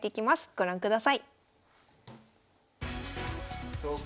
ご覧ください。